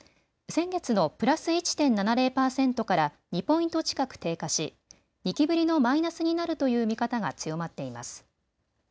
先月のプラス１．７０％から２ポイント近く低下し２期ぶりのマイナスになるという見方が強まっています。